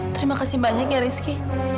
terima kasih banyak ya rizky